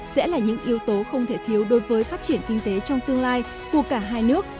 sẽ là những yếu tố không thể thiếu đối với phát triển kinh tế trong tương lai của cả hai nước